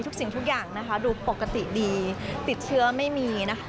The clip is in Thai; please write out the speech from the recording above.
สิ่งทุกอย่างนะคะดูปกติดีติดเชื้อไม่มีนะคะ